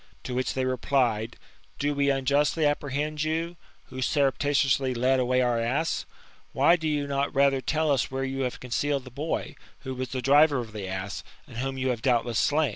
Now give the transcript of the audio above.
To which they replied: "Do we unjustly apprehend you, who surreptitiously lead away our ass ? Why do you not lather tell us where you have concealed the boy, who was the driver of the ass, and whom you have doubtless slam?"